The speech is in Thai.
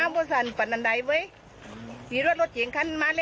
บอก